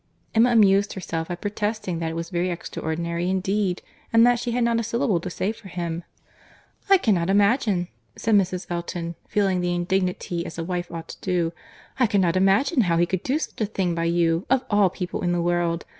Emma amused herself by protesting that it was very extraordinary, indeed, and that she had not a syllable to say for him. "I cannot imagine," said Mrs. Elton, (feeling the indignity as a wife ought to do,) "I cannot imagine how he could do such a thing by you, of all people in the world!